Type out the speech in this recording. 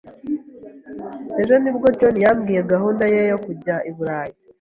Ejo ni bwo John yambwiye gahunda ye yo kujya i Burayi.